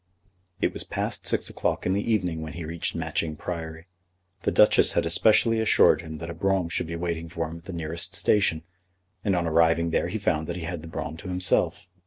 It was past six o'clock in the evening when he reached Matching Priory. The Duchess had especially assured him that a brougham should be waiting for him at the nearest station, and on arriving there he found that he had the brougham to himself.